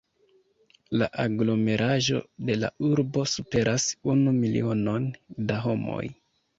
La aglomeraĵo de la urbo superas unu milionon da homoj.